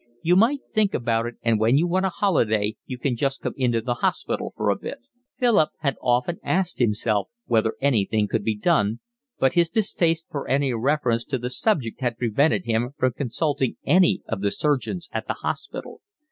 You might think about it, and when you want a holiday you can just come into the hospital for a bit." Philip had often asked himself whether anything could be done, but his distaste for any reference to the subject had prevented him from consulting any of the surgeons at the hospital.